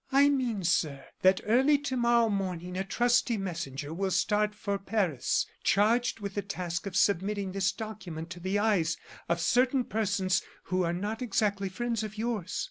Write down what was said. "I mean, sir, that early to morrow morning a trusty messenger will start for Paris, charged with the task of submitting this document to the eyes of certain persons who are not exactly friends of yours.